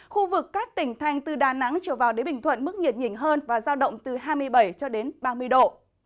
khu vực các tỉnh thành từ đà nẵng trở vào đến bình thuận mức nhiệt nhỉnh hơn và giao động từ hai mươi bảy cho đến ba mươi độ